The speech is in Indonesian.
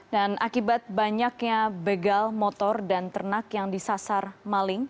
dan akibat banyaknya begal motor dan ternak yang disasar maling